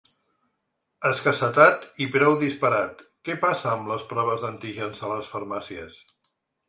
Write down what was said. Escassetat i preu disparat: què passa amb les proves d’antígens a les farmàcies?